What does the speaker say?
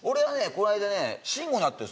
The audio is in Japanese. この間ね慎吾に会ったよ